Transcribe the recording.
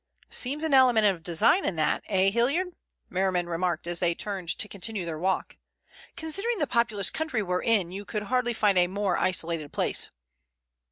"Seems an element of design in that, eh, Hilliard?" Merriman remarked as they turned to continue their walk. "Considering the populous country we're in, you could hardly find a more isolated place."